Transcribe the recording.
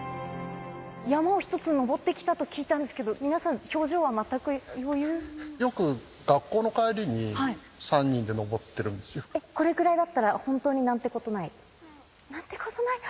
山を１つ登ってきたと聞いたんですが、皆さん、表情は全く余よく学校の帰りに３人で登っこれくらいだったら本当になはい。なんてことない？